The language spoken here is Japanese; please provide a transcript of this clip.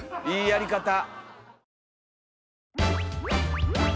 いいやり方！